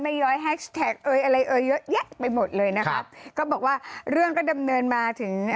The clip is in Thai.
ย้อยแฮชแท็กเอยอะไรเอ่ยเยอะแยะไปหมดเลยนะครับก็บอกว่าเรื่องก็ดำเนินมาถึง